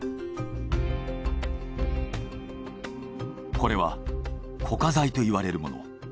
これは固化材といわれるもの。